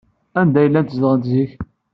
Anda ay llant zedɣent zik?